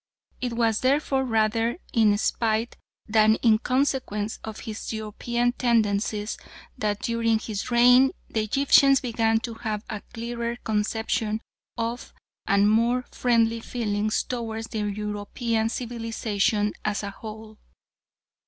It was therefore rather in spite, than in consequence of his European tendencies that during his reign the Egyptians began to have a clearer conception of and more friendly feelings towards European civilisation as a whole.